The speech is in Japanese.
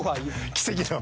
奇跡の。